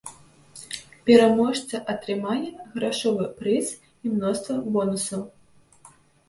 Пераможца атрымае грашовы прыз і мноства бонусаў.